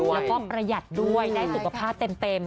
แล้วก็ประหยัดด้วยได้สุขภาพเต็ม